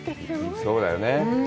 そうだよね？